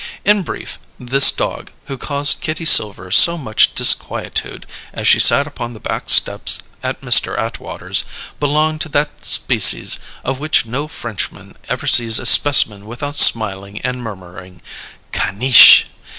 In brief, this dog, who caused Kitty Silver so much disquietude, as she sat upon the back steps at Mr. Atwater's, belonged to that species of which no Frenchman ever sees a specimen without smiling and murmuring: "_Caniche!